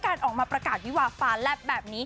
การออกมาประกาศวิวาฟ้าแลบแบบนี้